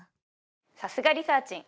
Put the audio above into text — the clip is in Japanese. さすがリサーちん